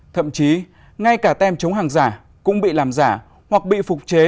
thậm chí ngay cả tem chống hàng giả cũng bị làm giả hoặc bị phục chế